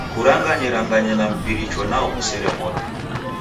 Kuranganyeranganye na mpiricho, nao kusere modo.